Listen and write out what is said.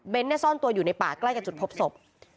เบ้นท์น่ะซ่อนตัวอยู่ในป่าใกล้กับจุดพบศพ